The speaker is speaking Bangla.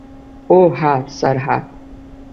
ওহ, হ্যাঁ, স্যার, হ্যাঁ।